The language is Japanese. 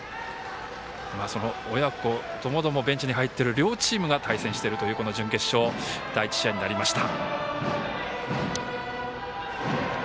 その親子共々ベンチに入っている両チームが対戦しているというこの準決勝第１試合になりました。